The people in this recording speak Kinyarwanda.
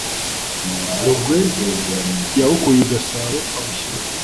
Rugwe yawukuye i Gasabo awushyira ku